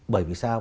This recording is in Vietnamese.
bởi vì sao